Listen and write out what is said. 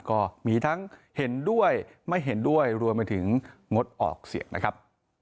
ก็มีทั้งเห็นด้วยไม่เห็นด้วยรวมไปถึงงดออกเสียงนะครับ